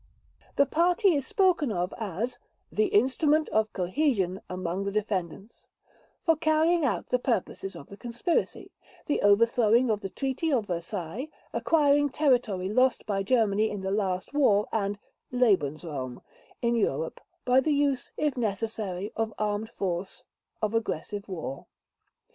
The Party is spoken of as "the instrument of cohesion among the Defendants" for carrying out the purposes of the conspiracy—the overthrowing of the Treaty of Versailles, acquiring territory lost by Germany in the last war and "Lebensraum" in Europe, by the use, if necessary, of armed force, of aggressive war.